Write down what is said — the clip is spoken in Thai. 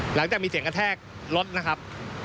หลังจากมีเสียงกระแทกรถนะครับ